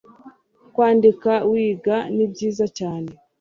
Kwandika wiga nibyiza cyane